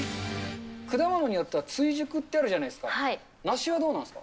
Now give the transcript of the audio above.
果物によっては、追熟ってあるじゃないですか、梨はどうなんですか？